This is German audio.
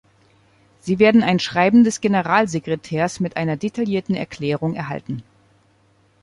Sie werden ein Schreiben des Generalsekretärs mit einer detaillierten Erklärung erhalten.